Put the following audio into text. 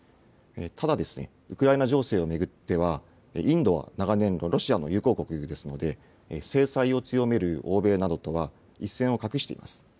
ただ、ウクライナ情勢を巡っては、インドは長年、ロシアの友好国ですので、制裁を強める欧米などとは一線を画しています。